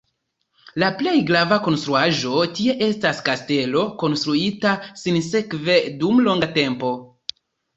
La plej grava konstruaĵo tie estas kastelo, konstruita sinsekve dum longa tempo.